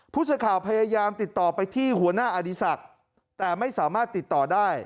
ผู้สื่อข่าวพยายามติดต่อไปที่หัวหน้าอดีศักดิ์แต่ไม่สามารถติดต่อได้